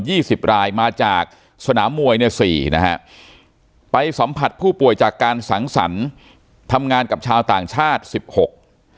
สิบรายมาจากสนามมวยเนี่ยสี่นะฮะไปสัมผัสผู้ป่วยจากการสังสรรค์ทำงานกับชาวต่างชาติสิบหก